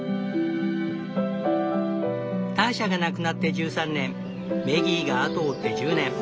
ターシャが亡くなって１３年メギーが後を追って１０年。